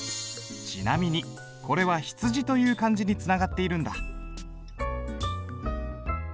ちなみにこれは「羊」という漢字につながっているんだ。